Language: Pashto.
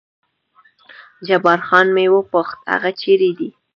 جبار خان مې وپوښت هغه چېرې دی؟